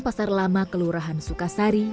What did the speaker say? pasar lama kelurahan sukasari